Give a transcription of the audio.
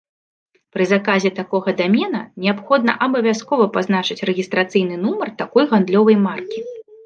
Пры заказе такога дамена неабходна абавязкова пазначыць рэгістрацыйны нумар такой гандлёвай маркі.